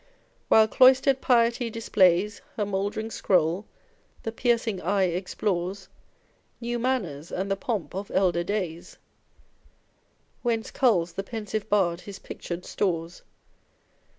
While cloLsterM piety displays Her mouldering scroll, the piercing eye explores New manners and the pomp of elder days ; Whence culls the pensive bard his pictured stores.